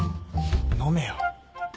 飲めよ。